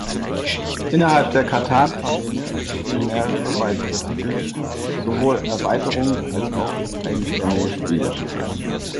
Innerhalb der "Catan-"Familie erschienen mehrere weitere Titel, sowohl Erweiterungen als auch eigenständige Spiele.